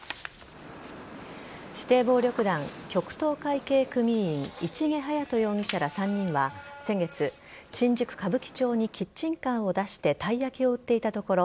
指定暴力団・極東会系組員市毛勇人容疑者ら３人は先月新宿歌舞伎町にキッチンカーを出してたい焼きを売っていたところ